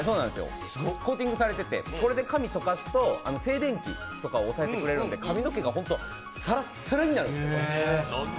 コーティングされていて、これで髪をとかすと静電気とか抑えてくれるんで、髪の毛がホント、サラッサラになるんです。